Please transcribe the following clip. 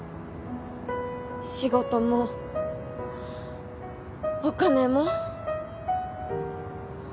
仕事もお金も。